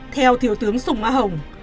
theo thiếu tướng súng a hồng